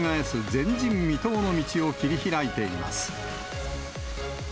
前人未到の道を切り開いています。